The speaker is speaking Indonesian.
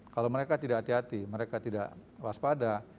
kalau mereka tidak hati hati mereka tidak waspada